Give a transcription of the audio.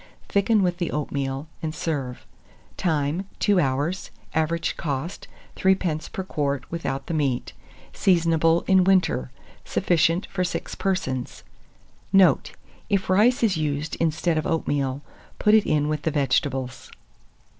Thicken with the oatmeal, and serve. Time. 2 hours. Average cost, 3d. per quart without the meat. Seasonable in winter. Sufficient for 6 persons. Note. If rice is used instead of oatmeal, put it in with the vegetables.